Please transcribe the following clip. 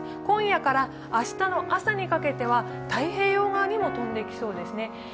今夜から明日の朝にかけては太平洋側にも飛んできそうですね。